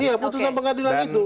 iya putusan pengadilan itu